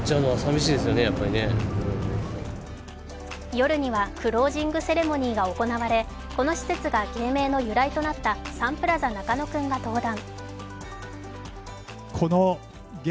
夜にはクロージングセレモニーが行われこの施設が芸名の由来となったサンプラザ中野くんが登壇。